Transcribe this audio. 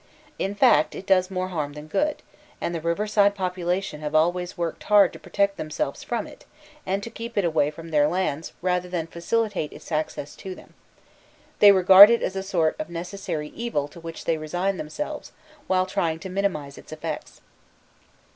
In fact, it does more harm than good, and the river side population have always worked hard to protect themselves from it and to keep it away from their lands rather than facilitate its access to them; they regard it as a sort of necessary evil to which they resign themselves, while trying to minimize its effects.